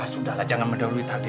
sudahlah jangan menderuit tadi